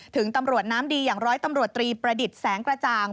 ถึงตำรวจน้ำดีอย่างร้อยตำรวจตรีประดิษฐ์แสงกระจ่าง